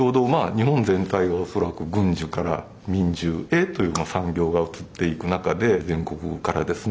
日本全体が恐らく軍需から民需へというような産業が移っていく中で全国からですね